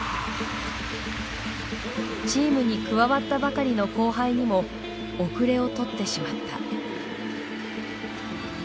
チームに加わったばかりの後輩にも後れを取ってしまった。